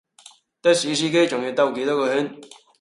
的士司機仲要兜幾多個圈